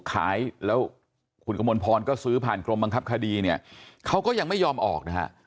ยังไงอย่างไรถูกขายแล้วคุณกระมวลพรก็ซื้อผ่านกรมภักดีเนี่ยเขาก็ยังไม่ยอมออกว่ะ